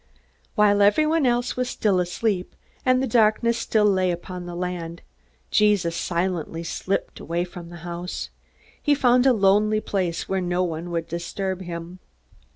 While everyone else was sleeping, and the darkness still lay upon the land, Jesus silently slipped away from the house. He found a lonely place, where no one would disturb him.